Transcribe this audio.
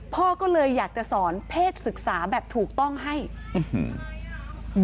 พ่อก็เลยอยากจะสอนเพศศึกษาแบบถูกต้องให้อื้อหือ